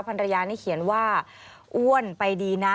ภรรยานี่เขียนว่าอ้วนไปดีนะ